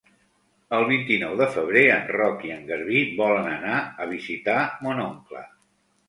El vint-i-nou de febrer en Roc i en Garbí volen anar a visitar mon oncle.